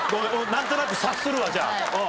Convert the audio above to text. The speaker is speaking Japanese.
なんとなく察するわじゃあ。